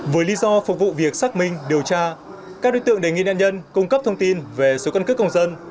với lý do phục vụ việc xác minh điều tra các đối tượng đề nghị nạn nhân cung cấp thông tin về số căn cước công dân